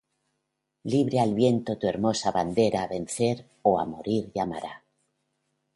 Libre al viento tu hermosa bandera a vencer o a morir llamará